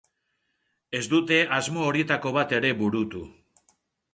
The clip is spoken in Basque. Ez dute asmo horietako bat ere burutu.